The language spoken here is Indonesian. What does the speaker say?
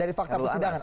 dari fakta persidangan